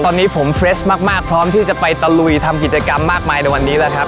ตอนนี้ผมเฟรชมากพร้อมที่จะไปตะลุยทำกิจกรรมมากมายในวันนี้แล้วครับ